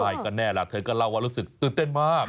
ยังไงกันแน่ล่ะเธอก็เล่าว่ารู้สึกตื่นเต้นมาก